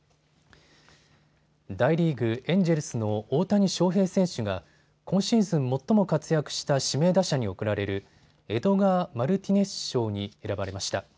大リーグ、エンジェルスの大谷翔平選手が今シーズン最も活躍した指名打者に贈られるエドガー・マルティネス賞に選ばれました。